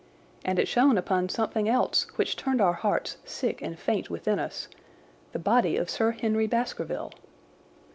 And it shone upon something else which turned our hearts sick and faint within us—the body of Sir Henry Baskerville!